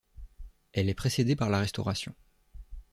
Elle est précédée par la restauration.